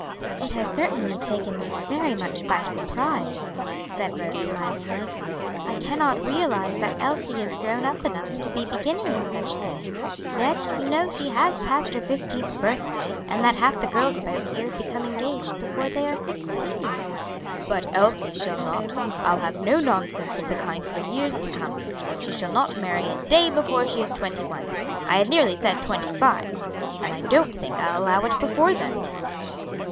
"It has certainly taken me very much by surprise," said Rose, smiling. "I cannot realize that Elsie is grown up enough to be beginning with such things; yet you know she has passed her fifteenth birthday, and that half the girls about here become engaged before they are sixteen." "But Elsie shall not. I'll have no nonsense of the kind for years to come. She shall not marry a day before she is twenty one, I had nearly said twenty five; and I don't think I'll allow it before then."